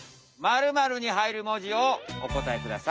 ○○に入る文字をおこたえください。